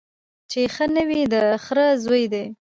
چي ښه نه وي د خره زوی دی